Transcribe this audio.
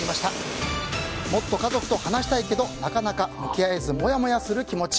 もっと家族と話したいけどなかなか向き合えずモヤモヤする気持ち。